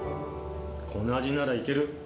この味ならいける！